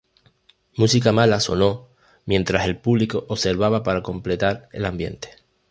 Música mala sonó mientras el público observaba para completar el ambiente.